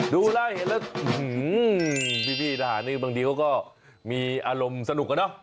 ดูร่างเห็นแล้วหื้อพี่ทหารบางทีเขาก็มีอารมณ์สนุกแล้วเนอะ